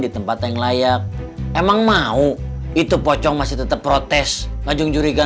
saya emang bener banget dari dulu juga